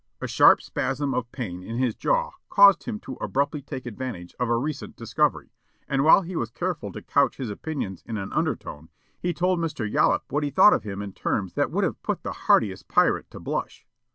A sharp spasm of pain in his jaw caused him to abruptly take advantage of a recent discovery; and while he was careful to couch his opinions in an undertone, he told Mr. Yollop what he thought of him in terms that would have put the hardiest pirate to blush.